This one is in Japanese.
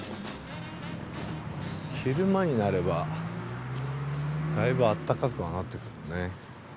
昼間になればだいぶ暖かくはなってくるね。